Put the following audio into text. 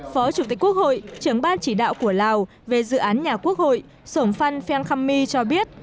phó chủ tịch quốc hội trưởng ban chỉ đạo của lào về dự án nhà quốc hội sổm văn venkhammi cho biết